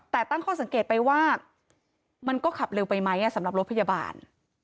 แต่ตั้งข้อสังเกตไปว่ามันก็ขับเร็วไปไหมสำหรับรถพยาบาล